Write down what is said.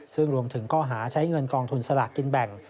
ซึ่งรวมถึงข้อหาใช้เงินกองทุนสลากกินแบ่ง